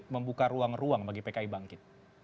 membuka ruang ruang bagi pki bangkit